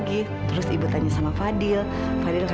milah ibu seneng banget dengernya